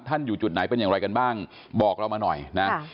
อยู่จุดไหนเป็นอย่างไรกันบ้างบอกเรามาหน่อยนะ